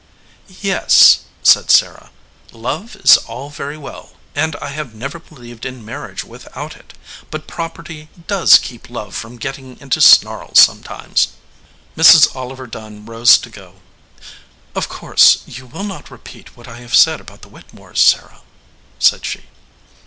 "Yes," said Sarah, "love is all very well, and I have never believed in marriage without it; but 188 SOUR SWEETINGS property does keep love from getting into snarls sometimes." Mrs. Oliver Dunn rose to go. "Of course you will not repeat what I have said about the Whitte mores, Sarah, " said she.